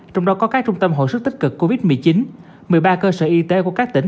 trong đó có các trung tâm hội sức tích cực covid một mươi chín một mươi ba cơ sở y tế của các tỉnh